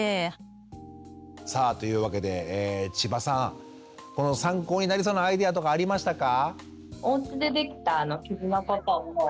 さあというわけで千葉さん参考になりそうなアイデアとかありましたか？